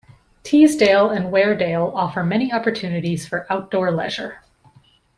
Teesdale and Weardale offer many opportunities for outdoor leisure.